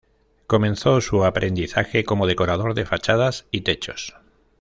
Comenzó su aprendizaje como decorador de fachadas y techos.